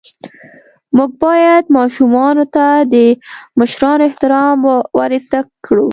موږ باید ماشومانو ته د مشرانو احترام کول ور زده ڪړو.